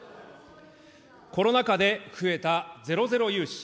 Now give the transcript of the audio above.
コロナ禍で増えたゼロゼロ融資。